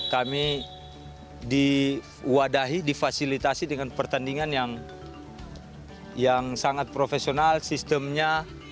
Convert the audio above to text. kami diwadahi difasilitasi dengan pertandingan yang sangat profesional sistemnya